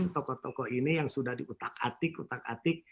toko toko ini yang sudah diutak atik utak atik